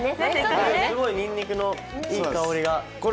すごいにんにくのいい香りが。